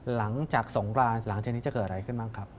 หลังจากสงกรานหลังจากนี้จะเกิดอะไรขึ้นบ้างครับ